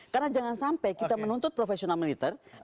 karena jangan sampai kita menuntut professional militernya